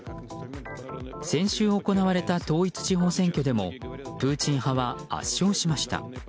先週行われた統一地方選挙でもプーチン派は圧勝しました。